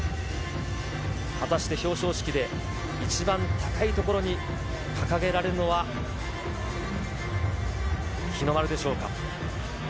果たして表彰式で一番高い所に掲げられるのは、日の丸でしょうか。